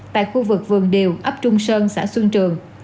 tại khu vực vườn điều ấp trung sơn xã xuân trường